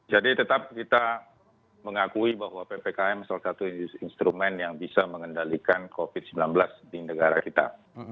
jadi tetap kita mengakui bahwa ppkm salah satu instrumen yang bisa mengendalikan covid sembilan belas di negara kita